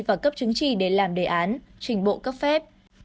và cấp chứng chỉ để làm đề án trình bộ cấp phép